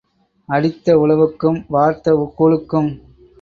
அடித்த உழவுக்கும் வார்த்த கூழுக்கும்.